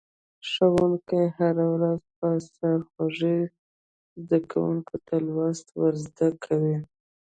ښوونکی هره ورځ په سرخوږي زده کونکو ته لوست ور زده کوي.